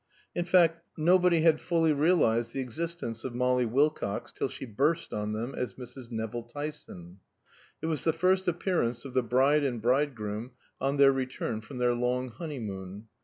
In fact, nobody had fully realized the existence of Molly Wilcox till she burst on them as Mrs. Nevill Tyson. It was the first appearance of the bride and bridegroom on their return from their long honeymoon.